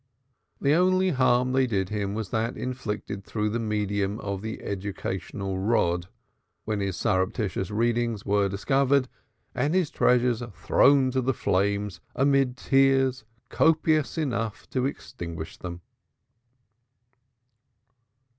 The only harm they did him was that inflicted through the medium of the educational rod, when his surreptitious readings were discovered and his treasures thrown to the flames amid tears copious enough to extinguish them.